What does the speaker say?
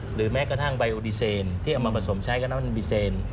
หรือแม้กระทั่งไบโอดีเซนที่เอามาผสมใช้กันนั้นมันมีเซน